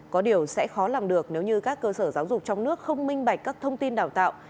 có điều sẽ khó làm được nếu như các cơ sở giáo dục trong nước không minh bạch các thông tin đào tạo